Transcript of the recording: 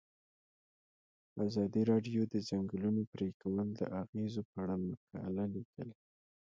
ازادي راډیو د د ځنګلونو پرېکول د اغیزو په اړه مقالو لیکلي.